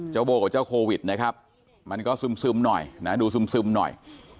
โบ้กับเจ้าโควิดนะครับมันก็ซึมหน่อยนะดูซึมหน่อย